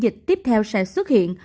các biến chủng tiếp theo sẽ xuất hiện